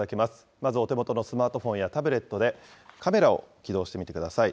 まずお手元のスマートフォンやタブレットで、カメラを起動してみてください。